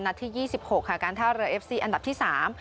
ที่ยี่สิบหกค่ะการท่าเรือเอฟซีอันดับที่สาม